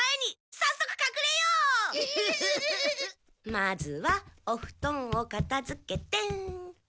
まずはおふとんをかたづけて。